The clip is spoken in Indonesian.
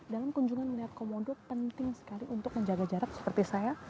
dalam kunjungan melihat komodo penting sekali untuk menjaga jarak seperti saya